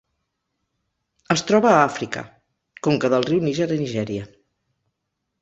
Es troba a Àfrica: conca del riu Níger a Nigèria.